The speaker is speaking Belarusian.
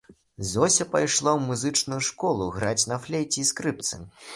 Зося пайшла ў музычную школу граць на флейце і скрыпцы.